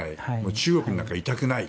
中国になんかいたくない。